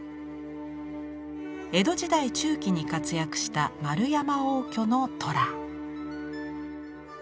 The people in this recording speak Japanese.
江戸時代中期に活躍した円山応挙の虎。